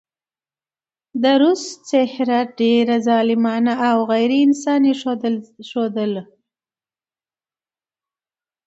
د روس څهره ډېره ظالمانه او غېر انساني ښودله.